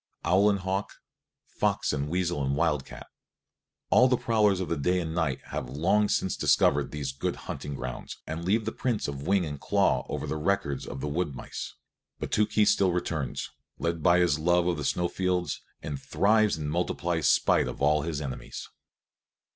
Owl and hawk, fox and weasel and wildcat, all the prowlers of the day and night have long since discovered these good hunting grounds and leave the prints of wing and claw over the records of the wood mice; but still Tookhees returns, led by his love of the snow fields, and thrives and multiplies spite of all his enemies.